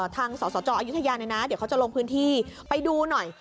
ทางสสจอายุทยาเนี่ยนะเดี๋ยวเขาจะลงพื้นที่ไปดูหน่อย